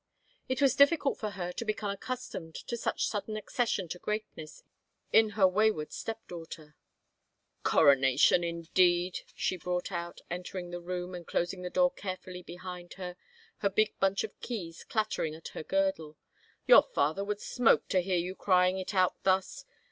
It was difficult for her to become accustomed to such sudden accession to greatness in her wayward step daughter. " Coronation, indeed !" she brought out, entering the room and closing the door carefully behind her, her big bunch of keys clattering at her girdle, " your father would smoke to hear you crying it out thus.